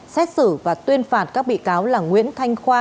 xét xử và tuyên phạt các bị cáo là nguyễn thanh khoa